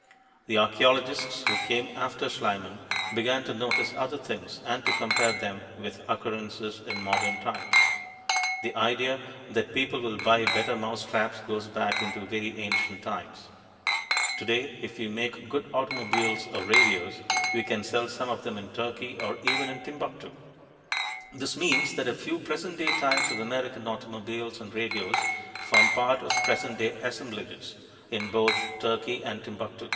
The archeologists who came after Schliemann began to notice other things and to compare them with occurrences in modern times. The idea that people will buy better mousetraps goes back into very ancient times. Today, if we make good automobiles or radios, we can sell some of them in Turkey or even in Timbuktu. This means that a few present day types of American automobiles and radios form part of present day "assemblages" in both Turkey and Timbuktu.